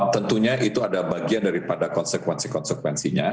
tentunya itu ada bagian daripada konsekuensi konsekuensinya